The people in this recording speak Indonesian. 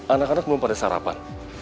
anak anak belum pada sarapan